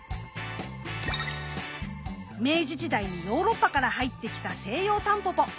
明治時代にヨーロッパから入ってきたセイヨウタンポポ。